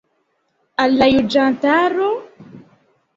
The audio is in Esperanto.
Al la juĝantaro?